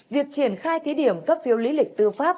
việc triển khai thí điểm cấp phiếu lý lịch tư pháp